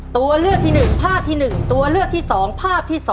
ตัวเลือกที่๑ภาพที่๑ตัวเลือกที่๒ภาพที่๒